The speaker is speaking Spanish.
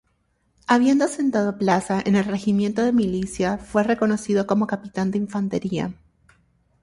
Habiendo sentado plaza en el "Regimiento de Milicias", fue reconocido como capitán de infantería.